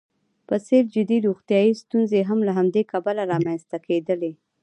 په څېر جدي روغیتايي ستونزې هم له همدې کبله رامنځته کېدلی شي.